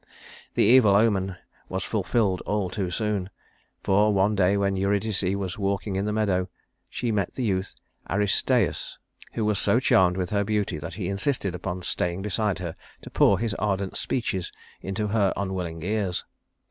This evil omen was fulfilled all too soon, for one day when Eurydice was walking in the meadow, she met the youth Aristæus, who was so charmed with her beauty that he insisted upon staying beside her to pour his ardent speeches into her unwilling ears.